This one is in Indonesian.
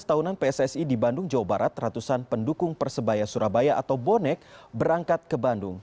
tahunan pssi di bandung jawa barat ratusan pendukung persebaya surabaya atau bonek berangkat ke bandung